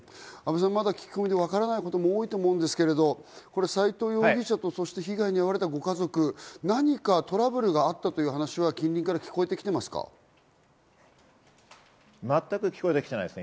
聞き込みでわからないことも多いと思うんですが、斎藤容疑者と被害に遭われたご家族、何かトラブルがあったという話は、近隣から聞こえてきていますか？